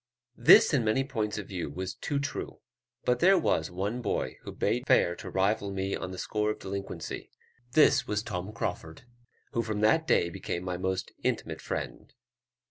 This in many points of view was too true; but there was one boy who bade fair to rival me on the score of delinquency; this was Tom Crauford, who from that day became my most intimate friend.